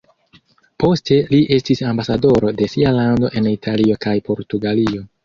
Poste li estis ambasadoro de sia lando en Italio kaj Portugalio.